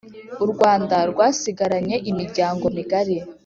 urwanda rwasigaranye imiryango migari